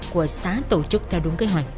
của xã tổ chức theo đúng kế hoạch